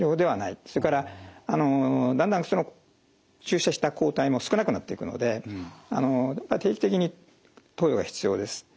それからだんだん注射した抗体も少なくなっていくので定期的に投与が必要です。